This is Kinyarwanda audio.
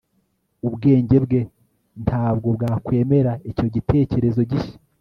Ubwenge bwe ntabwo bwakwemera icyo gitekerezo gishya